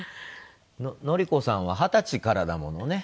範子さんは二十歳からだものね。